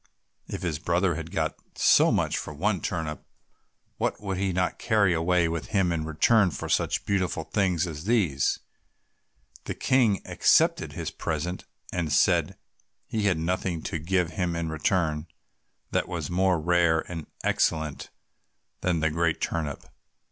If his brother had got so much for one turnip, what would he not carry away with him in return for such beautiful things as these? The King accepted his present, and said he had nothing to give him in return that was more rare and excellent than the great turnip.